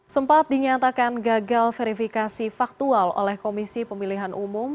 sempat dinyatakan gagal verifikasi faktual oleh komisi pemilihan umum